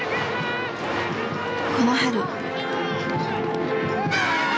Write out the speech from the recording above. この春。